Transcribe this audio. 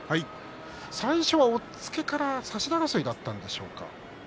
最初は押っつけから差し手争いだったんでしょうか。